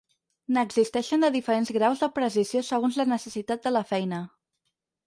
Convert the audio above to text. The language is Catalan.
N'existeixen de diferents graus de precisió segons la necessitat de la feina.